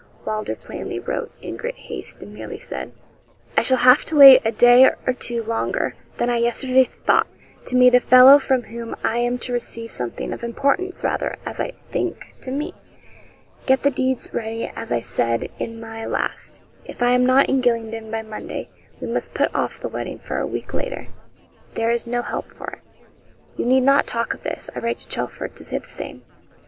Wylder plainly wrote in great haste, and merely said: 'I shall have to wait a day or two longer than I yesterday thought, to meet a fellow from whom I am to receive something of importance, rather, as I think, to me. Get the deeds ready, as I said in my last. If I am not in Gylingden by Monday, we must put off the wedding for a week later there is no help for it. You need not talk of this. I write to Chelford to say the same.'